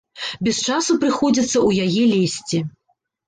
Без часу прыходзіцца ў яе лезці.